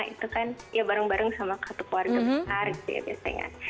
itu kan ya bareng bareng sama satu keluarga besar gitu ya biasanya